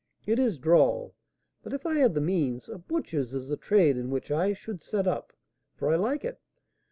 It is droll, but if I had the means, a butcher's is the trade in which I should set up, for I like it.